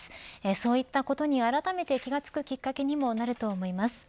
そういったことにあらためて気が付くきっかけにもなると思います。